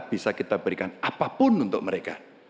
bisa kita berikan apapun untuk mereka